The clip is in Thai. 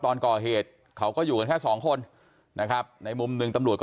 ตอนก่อเหตุเขาก็อยู่กันแค่สองคนนะครับในมุมหนึ่งตำรวจก็